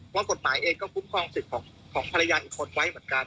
เพราะกฎหมายเองก็คุ้มครองสิทธิ์ของภรรยาอีกคนไว้เหมือนกัน